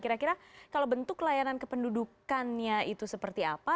kira kira kalau bentuk layanan kependudukannya itu seperti apa